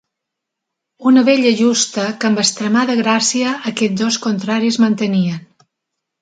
Una bella justa, que amb extremada gràcia aquests dos contraris mantenien.